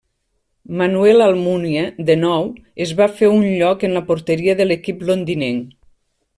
Manuel Almunia, de nou, es va fer un lloc en la porteria de l'equip londinenc.